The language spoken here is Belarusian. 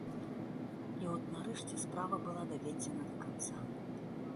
І от нарэшце справа была даведзена да канца.